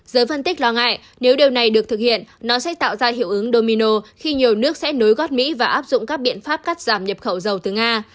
giới phân tích lo ngại nếu điều này được thực hiện nó sẽ tạo ra hiệu ứng domino khi nhiều nước sẽ nối gót mỹ và áp dụng các biện pháp cắt giảm nhập khẩu dầu từ nga